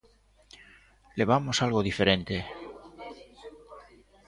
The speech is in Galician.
Levamos algo diferente.